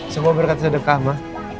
semua berkat sedekah ma